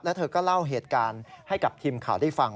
แล้วเธอก็เล่าเหตุการณ์ให้กับทีมข่าวได้ฟัง